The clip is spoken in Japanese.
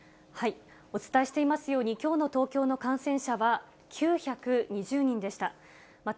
お伝えしていますように、きょうの東京の感染者は、９２０人でした。